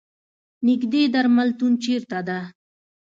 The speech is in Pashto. نیږدې درملتون چېرته ده؟